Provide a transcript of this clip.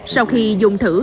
sau khi dùng thử